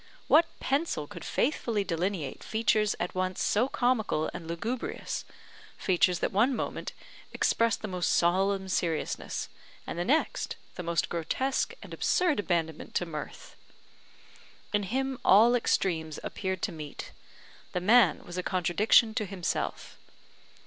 What pencil could faithfully delineate features at once so comical and lugubrious features that one moment expressed the most solemn seriousness, and the next, the most grotesque and absurd abandonment to mirth? In him, all extremes appeared to meet; the man was a contradiction to himself.